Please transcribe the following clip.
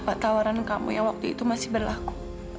apa tawaran kamu yang waktu itu masih berlaku